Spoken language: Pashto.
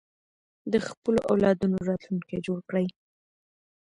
د خپلو اولادونو راتلونکی جوړ کړئ.